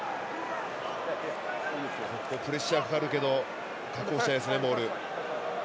プレッシャーかかるけど確保したいですね、ボール。